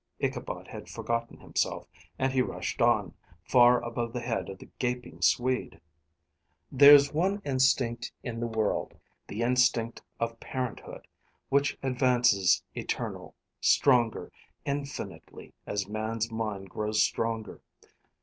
Ichabod had forgotten himself, and he rushed on, far above the head of the gaping Swede. "There's one instinct in the world, the instinct of parenthood, which advances eternal, stronger, infinitely, as man's mind grows stronger.